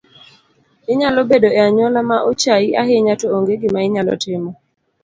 Inyalo bedo e anyuola maochaii ahinya to ong’e gima inyalo timo